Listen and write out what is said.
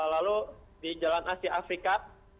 lalu di jalan asia afrika